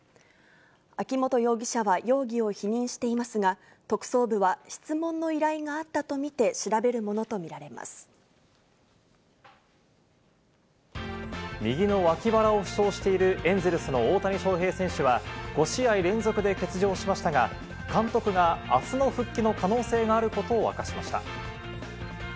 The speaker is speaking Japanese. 秋本容疑者は容疑を否認していますが、特捜部は質問の依頼があっ右の脇腹を負傷しているエンゼルスの大谷翔平選手は、５試合連続で欠場しましたが、監督が、あすの復帰の可能性があることを明かしました。